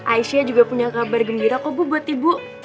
aisyah juga punya kabar gembira kok bu buat ibu